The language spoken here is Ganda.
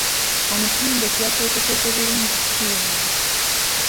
Omutendesi yateeseteese bulungi ttiimu.